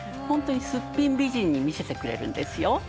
ホントにスッピン美人に見せてくれるんですよ。